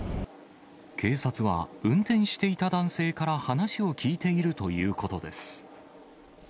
警察は運転していた男性から話を聴いているということです。